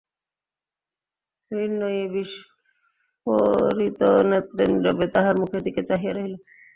মৃন্ময়ী বিস্ফারিতনেত্রে নীরবে তাঁহার মুখের দিকে চাহিয়া রহিল।